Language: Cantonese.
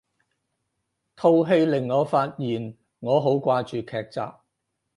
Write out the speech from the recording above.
套戲令我發現我好掛住劇集